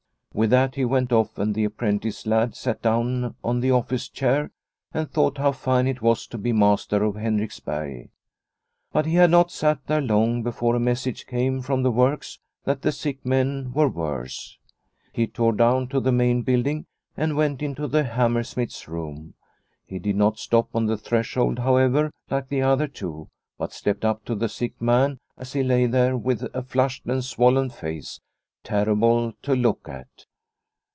With that he went off and the apprentice lad sat down on the office chair and thought how fine it was to be master of Henriksberg. But he had not sat there long before a message came from the works that the sick men were worse. He tore down to the main building and went into the hammer smith's room. He did not stop on the threshold, however, like the other two, but stepped up to the sick man as he lay there with a flushed and swollen face terrible to look at.